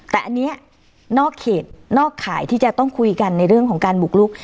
แต่อันนี้นอกเขตนอกข่ายที่จะต้องคุยกันในเรื่องของการบุกลุก